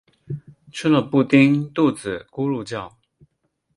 吃了布丁肚子咕噜叫